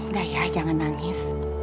udah ya jangan nangis